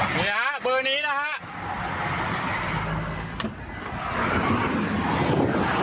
มีนะฮะมีนะฮะ